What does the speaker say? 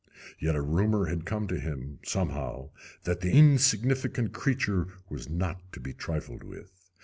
Yet a rumor had come to him, somehow, that the insignificant creature was not to be trifled with.